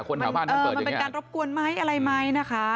คนแถวบ้านท่านเปิดอย่างเงี้ยเออมันเป็นการรบกวนไหมอะไรไหมนะคะ